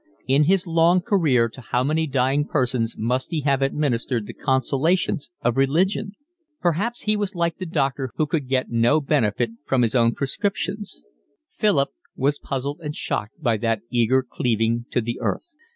In his long career to how many dying persons must he have administered the consolations of religion! Perhaps he was like the doctor who could get no benefit from his own prescriptions. Philip was puzzled and shocked by that eager cleaving to the earth.